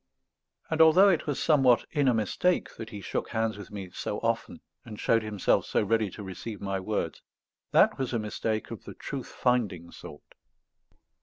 And although it was somewhat in a mistake that he shook hands with me so often and showed himself so ready to receive my words, that was a mistake of the truth finding sort.